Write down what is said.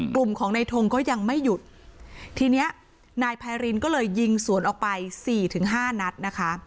กลุ่มของนายทงก็ยังไม่หยุดทีเนี้ยนายไพรินก็เลยยิงสวนออกไปสี่ถึงห้านัดนะคะ